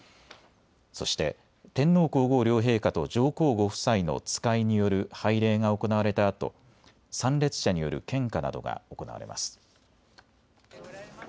そして天皇皇后両陛下と上皇ご夫妻の使いによる拝礼が行われたあと参列者による献花などが行われます。